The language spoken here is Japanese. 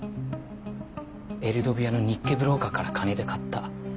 エルドビアの日系ブローカーから金で買った。